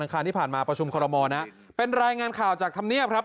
คารที่ผ่านมาประชุมคอรมอลนะเป็นรายงานข่าวจากธรรมเนียบครับ